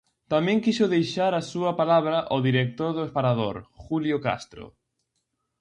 Tamén quixo deixar a súa palabra o director do parador, Julio Castro.